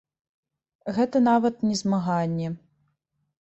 Гэта нават не змаганне.